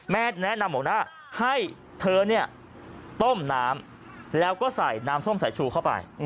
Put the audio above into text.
แนะนำบอกว่าให้เธอเนี่ยต้มน้ำแล้วก็ใส่น้ำส้มสายชูเข้าไป